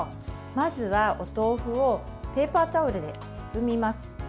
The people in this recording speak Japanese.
まずは、お豆腐をペーパータオルで包みます。